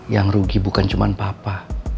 yang rugi bukan cuma papa